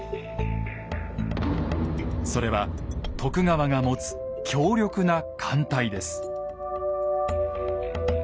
それは徳川が持つ強力な艦隊です。